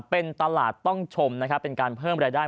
เป็นตลาดต้องชมนะครับเป็นการเพิ่มรายได้